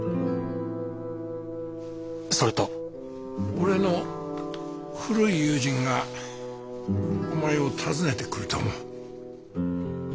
俺の古い友人がお前を訪ねてくると思う。